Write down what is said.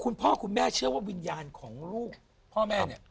เมื่อเชื่อว่าวิญญาณของลูกพ่อแม่